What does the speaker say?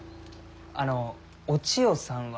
あのお千代さんは。